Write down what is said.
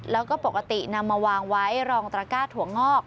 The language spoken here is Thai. แล้วก็ปกตินำมาวางไว้รองตระก้าถั่วงอก